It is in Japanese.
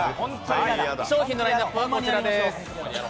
商品のラインナップはこちらです。